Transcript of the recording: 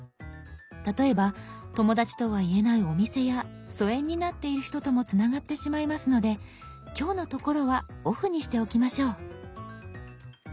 例えば友だちとは言えないお店や疎遠になっている人ともつながってしまいますので今日のところはオフにしておきましょう。